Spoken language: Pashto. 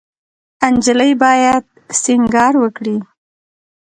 انجلۍ باید سینګار وکړي.